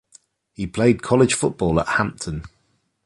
He played college football at Hampton.